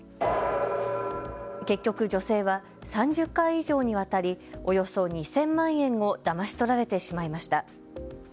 結局、女性は３０回以上にわたりおよそ２０００万円をだまし取られてしまいました。